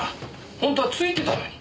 本当はツイてたのに。